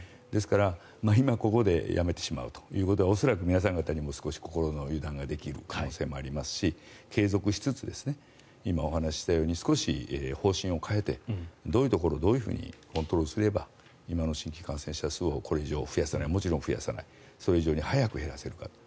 ですから今、ここでやめてしまうことはおそらく皆さん方にも少し心の油断ができる可能性もありますし、継続しつつ今、お話ししたように少し方針を変えてどういうところをどういうふうにコントロールすれば今の感染者数を増やさないそれ以上に早く減らせるか。